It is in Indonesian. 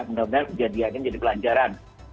mudah mudahan kejadiannya jadi kelanjaran